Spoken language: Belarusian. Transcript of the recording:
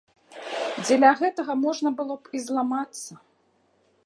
Дзеля гэтага можна было б і зламацца.